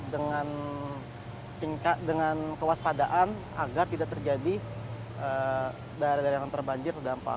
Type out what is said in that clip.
dengan tingkat dengan kewaspadaan agar tidak terjadi daerah daerah yang terbanjir terdampak